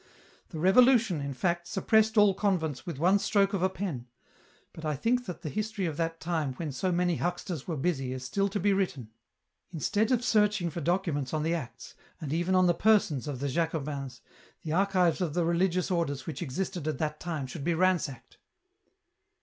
" The Revolution, in fact, suppressed all convents with one stroke of a pen, but I think that the history of that time when so many hucksters were busy is still to be written. Instead of searching for documents on the acts, and even on the persons of the Jacobins, the archives of the religious orders which existed at that time should be ransacked.